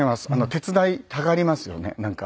手伝いたがりますよねなんか。